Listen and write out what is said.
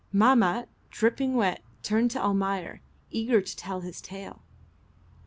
Mahmat, dripping wet, turned to Almayer, eager to tell his tale.